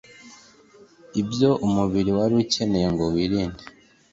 ibyo umubiri wari ukeneye ngo wirinde